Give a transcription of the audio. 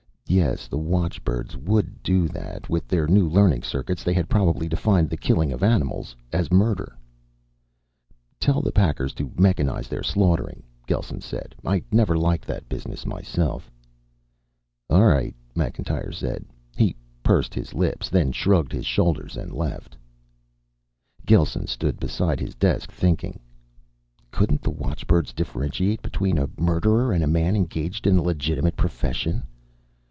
Yes, the watchbirds would do that. With their new learning circuits, they had probably defined the killing of animals as murder. "Tell the packers to mechanize their slaughtering," Gelsen said. "I never liked that business myself." "All right," Macintyre said. He pursed his lips, then shrugged his shoulders and left. Gelsen stood beside his desk, thinking. Couldn't the watchbirds differentiate between a murderer and a man engaged in a legitimate profession?